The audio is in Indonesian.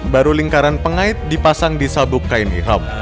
baru lingkaran pengait dipasang di sabuk kain iham